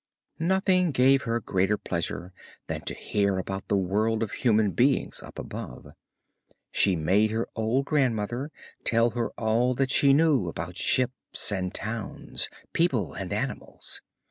Nothing gave her greater pleasure than to hear about the world of human beings up above; she made her old grandmother tell her all that she knew about ships and towns, people and animals.